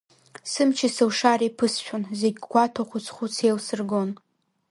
Сымчи сылшареи ԥысшәон, зегь гәаҭо, хәыц-хәыц еилсыргон.